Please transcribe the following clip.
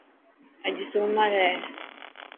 اڄ سومر هي.